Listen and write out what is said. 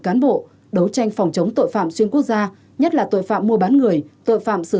cán bộ đấu tranh phòng chống tội phạm xuyên quốc gia nhất là tội phạm mua bán người tội phạm sử